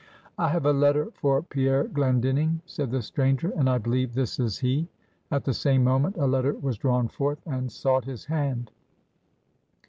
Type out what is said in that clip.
"I have a letter for Pierre Glendinning," said the stranger, "and I believe this is he." At the same moment, a letter was drawn forth, and sought his hand.